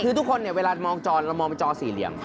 คือทุกคนเวลามองจอเรามองไปจอสี่เหลี่ยม